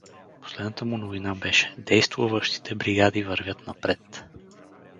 Последната му новина беше: действуващите бригади вървят напред.